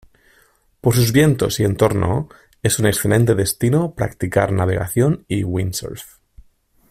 Por sus vientos y entorno es un excelente destino practicar navegación y windsurf.